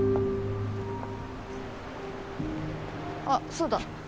あっそうだ。